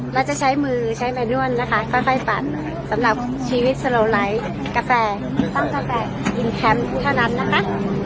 เราจะใช้มือใช้แมด้วนนะคะค่อยปั่นสำหรับชีวิตสโลไลท์กาแฟต้องกาแฟอินแคมป์เท่านั้นนะคะ